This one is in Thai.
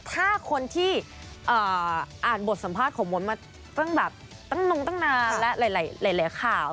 ถ้าคนที่อ่านบทสัมภาษณ์ของม้นมาตั้งแบบตั้งนานและหลายข่าว